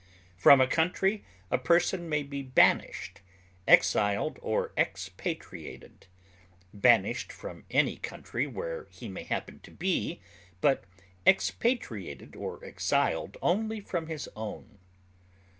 From a country, a person may be banished, exiled, or expatriated; banished from any country where he may happen to be, but expatriated or exiled only from his own.